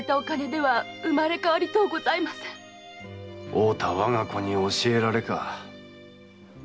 「負うた我が子に教えられ」か。